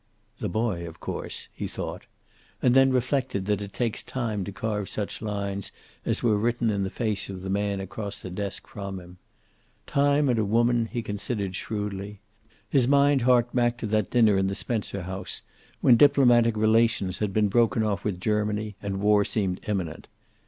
"The boy, of course," he thought. And then reflected that it takes time to carve such lines as were written in the face of the man across the desk from him. Time and a woman, he considered shrewdly. His mind harked back to that dinner in the Spencer house when diplomatic relations had been broken off with. Germany, and war seemed imminent.